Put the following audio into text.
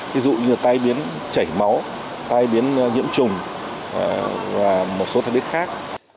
ví dụ như là tai biến chảy máu tai biến nhiễm trùng và một số tai biến khác